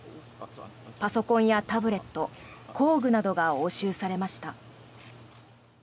パソコンやタブレット工具などが押収されました。